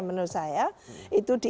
menurut saya itu di